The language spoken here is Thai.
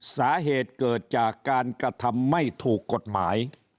สาเหตุเกิดจากการกระทำไม่ถูกกฎหมาย